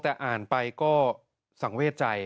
แต่อ่านไปก็สังเวทใจ